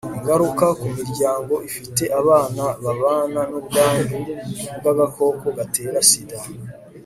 ingaruka ku miryango ifite abana babana n ubwandu bw agakoko gatera sida